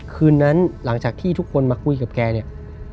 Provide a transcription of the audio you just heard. คืนนั้นหลังจากที่ทุกคนมาคุยกับแกเนี่ย